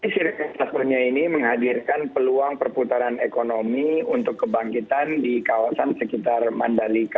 sirkus dunia ini menghadirkan peluang perputaran ekonomi untuk kebangkitan di kawasan sekitar mandalika